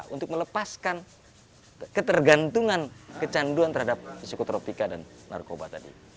untuk melepaskan ketergantungan kecanduan terhadap psikotropika dan narkoba tadi